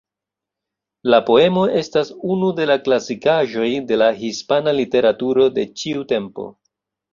La poemo estas unu de la klasikaĵoj de la hispana literaturo de ĉiu tempo.